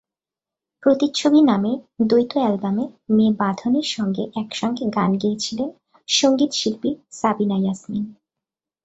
প্রতিচ্ছবি নামের দ্বৈত অ্যালবামে মেয়ে বাঁধনের সঙ্গে একসঙ্গে গান গেয়েছিলেন সংগীতশিল্পী সাবিনা ইয়াসমীন।